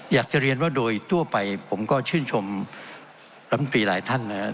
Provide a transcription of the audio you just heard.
อยากจะเรียนว่าโดยทั่วไปผมก็ชื่นชมรัฐมนตรีหลายท่านนะครับ